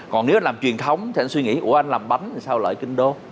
còn nếu anh làm truyền thống thì anh suy nghĩ ủa anh làm bánh thì sao lợi kinh đô